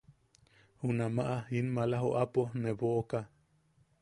Junamaʼa in maala joʼapo ne boʼoka.